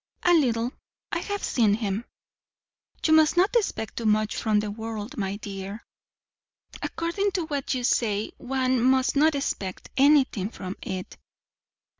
"A little. I have seen him." "You must not expect too much from the world, my dear." "According to what you say, one must not expect anything from it."